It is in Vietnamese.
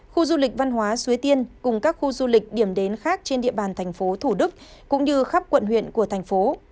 khu du lịch văn hóa suế tiên cùng các khu du lịch điểm đến khác trên địa bàn tp thủ đức cũng như khắp quận huyện của tp